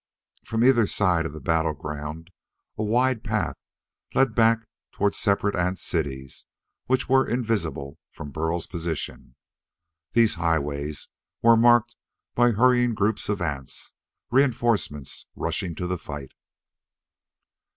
From either side of the battleground a wide path led back toward separate ant cities which were invisible from Burl's position. These highways were marked by hurrying groups of ants reinforcements rushing to the fight.